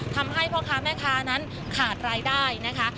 ทำให้พ่อค้าแม่ค้านั้นขาดรายได้นะคะ